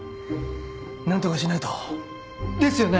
何とかしないと。ですよね！